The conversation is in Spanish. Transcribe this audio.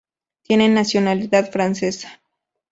Tiene nacionalidad francesa.